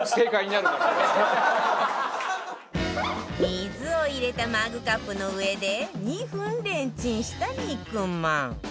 水を入れたマグカップの上で２分レンチンした肉まん